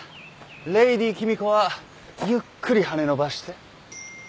レディー君子はゆっくり羽伸ばして。